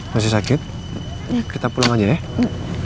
masih sakit kita pulang aja deh